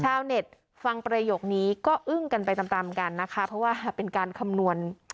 ชาวเน็ตฟังประโยคนี้ก็อึ้งกันไปตามตามกันนะคะเพราะว่าเป็นการคำนวณ